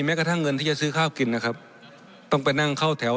กระทั่งเงินที่จะซื้อข้าวกินนะครับต้องไปนั่งเข้าแถว